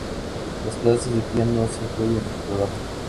Las clases de piano no se incluyeron en el programa.